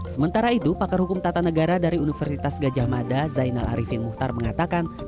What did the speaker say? sementara itu pakar hukum tata negara dari universitas gajah mada zainal arifin muhtar mengatakan